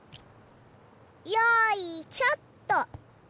よいしょっと！